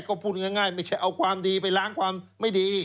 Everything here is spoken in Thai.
ก็พูดง่ายไม่ใช่เอาความดีไปล้างความไม่ดี